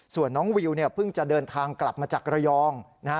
ส่วนน้องวิวเนี่ยเพิ่งจะเดินทางกลับมาจากระยองนะฮะ